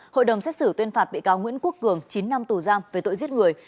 hội đồng xét xử tuyên phạt bị cáo nguyễn quốc cường chín năm tù giam về tội giết người